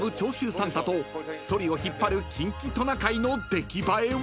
サンタとソリを引っ張るキンキトナカイの出来栄えは？］